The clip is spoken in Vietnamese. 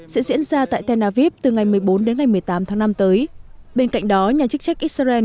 sẽ diễn ra tại tel aviv từ ngày một mươi bốn đến ngày một mươi tám tháng năm tới bên cạnh đó nhà chức trách israel